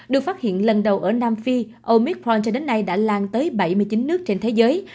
được phát hiện lần đầu ở nam phi omit pront cho đến nay đã lan tới bảy mươi chín nước trên thế giới